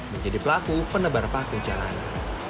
menjadi pelaku penebar paku jalan